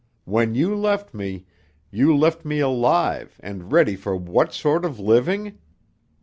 When you left me, you left me alive and ready for what sort of living?